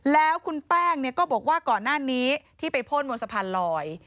แล้วคุณแป้งก็บอกว่าก่อนหน้านี้ที่ไปพ่นบนสะพานลอย